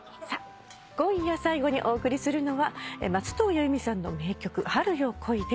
今夜最後にお送りするのは松任谷由実さんの名曲『春よ、来い』です。